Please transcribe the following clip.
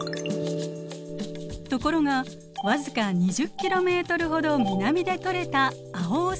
ところが僅か２０キロメートルほど南で採れたアオオサムシは。